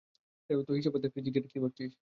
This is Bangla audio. তো, হিসাব বাদ, ক্রেজি ক্যাট, কী ভাবছিস?